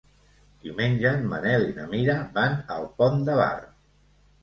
Diumenge en Manel i na Mira van al Pont de Bar.